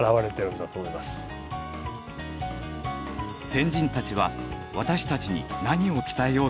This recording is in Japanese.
先人たちは私たちに何を伝えようとしているのか？